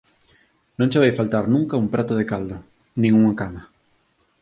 Non che vai faltar nunca un prato de caldo, nin unha cama.